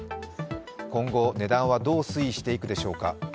今後、値段はどう推移していくでしょうか。